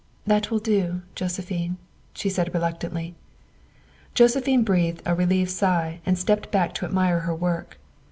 " That will do, Josephine," she said reluctantly . Josephine breathed a relieved sigh and stepped back to admire her work.